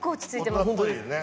本当ですか？